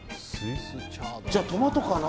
じゃあ、トマトかな？